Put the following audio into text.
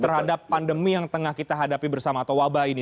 pertama sekali apa pandemi yang tengah kita hadapi bersama atau wabah ini